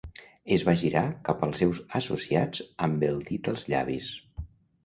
Es va girar cap als seus associats amb el dit als llavis.